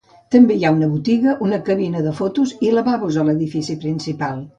També hi ha una botiga, una cabina de fotos i lavabos a l'edifici principal.